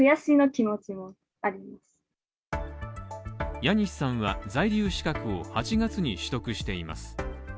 ヤニスさんは在留資格を８月に取得しています。